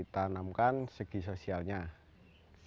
yang ditanamkan segi sosialnya sangat tinggi